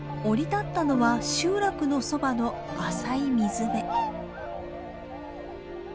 降り立ったのは集落のそばの浅い水辺。